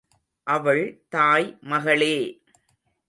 அவள் தாய் மகளே!